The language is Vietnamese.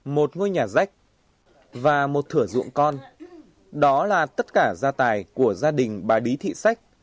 một ngôi nhà rách và một thửa ruộng con đó là tất cả gia tài của gia đình bà bí thị xác